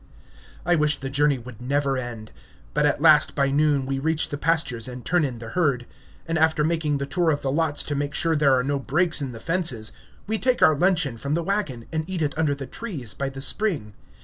I wish the journey would never end; but at last, by noon, we reach the pastures and turn in the herd; and after making the tour of the lots to make sure there are no breaks in the fences, we take our luncheon from the wagon and eat it under the trees by the spring.